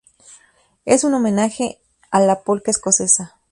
Es una homenaje a la polca escocesa.